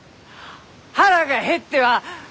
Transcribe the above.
腹が減っては！